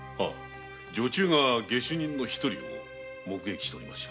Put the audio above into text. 女中が下手人の一人を目撃しておりました。